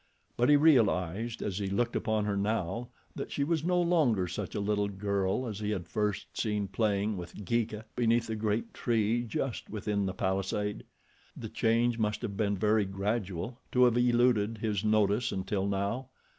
But he realized, as he looked upon her now, that she was no longer such a little girl as he had first seen playing with Geeka beneath the great tree just within the palisade. The change must have been very gradual to have eluded his notice until now.